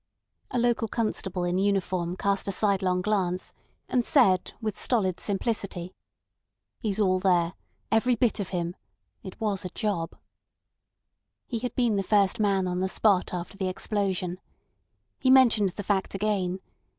A local constable in uniform cast a sidelong glance, and said, with stolid simplicity: "He's all there. Every bit of him. It was a job." He had been the first man on the spot after the explosion. He mentioned the fact again.